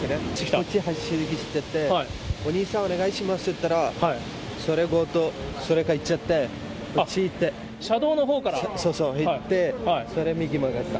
こっち走ってて、お兄さん、お願いしますっと言ったら、それ、強盗、それが行っちゃって、あっ車道のほうから？そうそう、行って、それを右に曲がった。